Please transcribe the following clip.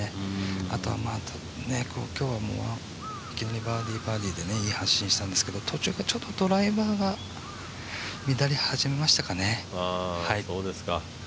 あとは今日はバーディー、バーディーでいい発進をしたんですけど途中ドライバーが乱れ始めましたかね。